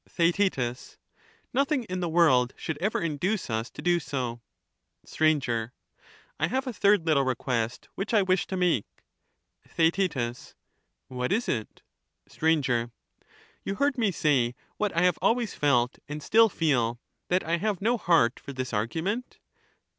not. Theaet Nothing in the world should ever induce us to do so. Str. I have a third little request which I wish to make. Theaet What is it? Sir. You heard me say what I have always felt and still feel — that I have no heart for this argument